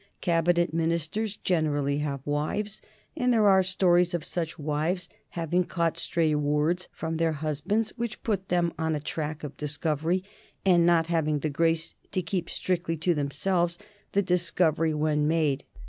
Cabinet Ministers generally have wives, and there are stories of such wives having caught stray words from their husbands which put them on a track of discovery, and not having the grace to keep strictly to themselves the discovery when made.